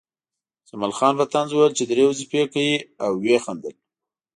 جمال خان په طنز وویل چې درې وظیفې کوې او ویې خندل